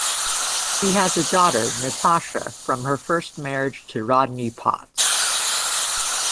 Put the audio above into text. She has a daughter, Natasha, from her first marriage to Rodney Potts.